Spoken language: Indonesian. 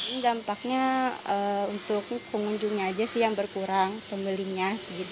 ini dampaknya untuk pengunjungnya aja sih yang berkurang pembelinya